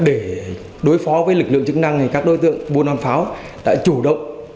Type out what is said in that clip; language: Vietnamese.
để đối phó với lực lượng chức năng thì các đối tượng buôn bán pháo đã chủ động